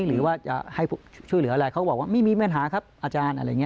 หรือว่าจะให้ช่วยเหลืออะไรเขาก็บอกว่าไม่มีปัญหาครับอาจารย์อะไรอย่างนี้